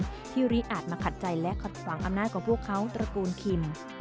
ก็ตามที่รีอาจมาขัดใจและความอำนาจของพวกเขาตระกูลคิม